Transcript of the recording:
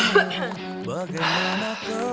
beda dua kali